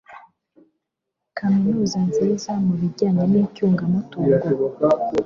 ni kaminuza nziza mu bijyanye n'icyungamutungo